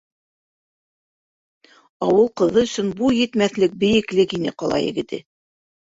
Ауыл ҡыҙы өсөн буй етмәҫлек бейеклек ине ҡала егете.